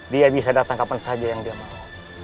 dia bisa datang kapan saja yang dia mau